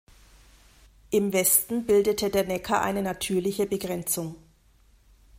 Im Westen bildete der Neckar eine natürliche Begrenzung.